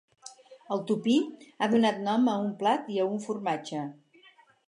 El tupí ha donat nom a un plat i a un formatge.